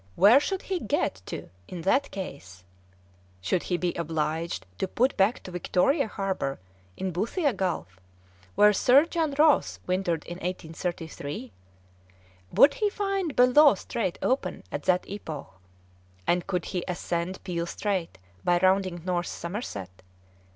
Where should he get to in that case? Should he be obliged to put back to Victoria Harbour, in Boothia Gulf, where Sir John Ross wintered in 1833? Would he find Bellot Strait open at that epoch, and could he ascend Peel Strait by rounding North Somerset?